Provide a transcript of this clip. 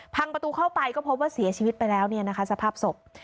พังประตูเข้าไปก็พบว่าเสียชีวิตไปแล้วสภาพศพ